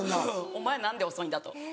お前何で遅いんだ？と。